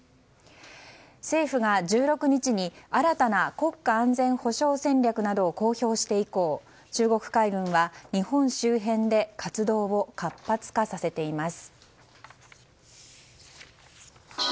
政府が１６日に新たな国家安全保障戦略などを公表して以降、中国海軍は日本周辺で活動を活発化させています。